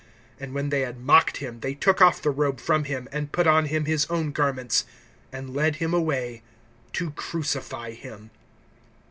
(31)And when they had mocked him, they took off the robe from him, and put on him his own garments, and led him away to crucify him.